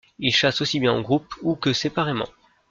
Il chasse aussi bien en groupe ou que séparément.